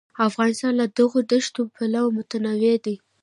افغانستان له دغو دښتو پلوه متنوع دی.